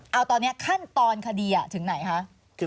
เอาตอนนี้ขั้นตอนคดีถึงไหนคะ